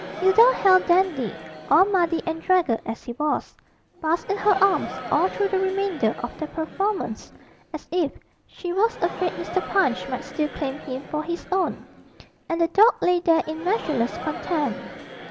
Hilda held Dandy, all muddy and draggled as he was, fast in her arms all through the remainder of the performance, as if she was afraid Mr. Punch might still claim him for his own; and the dog lay there in measureless content.